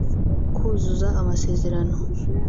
kuzuza amasezerano